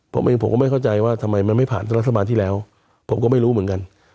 ผมเองผมก็ไม่เข้าใจว่าทำไมมันไม่ผ่านรัฐบาลที่แล้วผมก็ไม่รู้เหมือนกัน